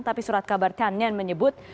tapi surat kabar tennien menyebut